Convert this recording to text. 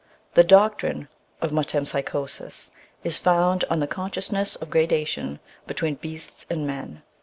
The doctrine of metempsychosis is founded on the consciousness of gradation between beasts and men.